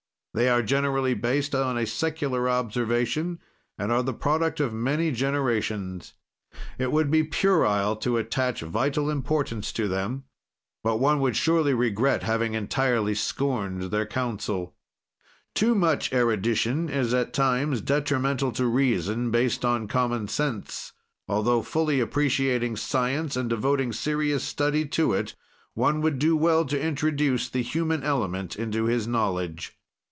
"They are generally based on a secular observation, and are the product of many generations. "It would be puerile to attach vital importance to them, but one would surely regret having entirely scorned their counsel. "Too much erudition is at times detrimental to reason, based on common sense. Altho fully appreciating science, and devoting serious study to it, one would do well to introduce the human element into his knowledge.